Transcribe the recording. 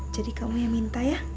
jadi kamu yang minta ya